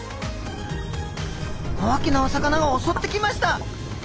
大きなお魚が襲ってきました。